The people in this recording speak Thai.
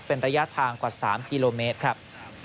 เป็นระยะทางกว่า๓กิโลเมตรครับ